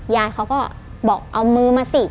ยายเขาก็บอกเอามือมาสิ